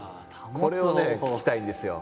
これをね聞きたいんですよ。